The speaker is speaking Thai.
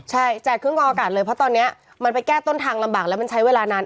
ใช่แจกเครื่องกองอากาศเลยเพราะตอนนี้มันไปแก้ต้นทางลำบากแล้วมันใช้เวลานาน